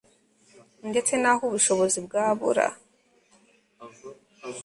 ndetse n aho ubushobozi bwabura